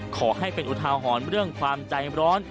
ขอให้เป็นอุทาหรณ์เรื่องความใจร้อน